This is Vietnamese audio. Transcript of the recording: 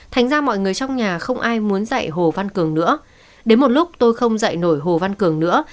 thành ra mọi người trong nhà không ai muốn dạy hồ văn cường nữa